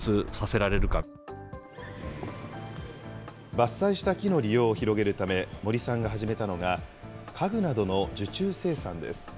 伐採した木の利用を広げるため、森さんが始めたのが、家具などの受注生産です。